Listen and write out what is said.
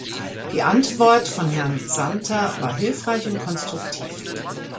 Die Antwort von Herrn Santer war hilfreich und konstruktiv.